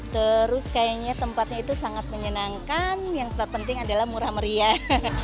terus kayaknya tempatnya itu sangat menyenangkan yang terpenting adalah murah meriah